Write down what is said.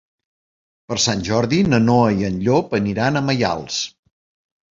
Per Sant Jordi na Noa i en Llop aniran a Maials.